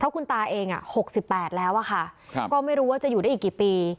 คุณตาเอง๖๘แล้วอะค่ะก็ไม่รู้ว่าจะอยู่ได้อีกกี่ปี